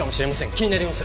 気になります。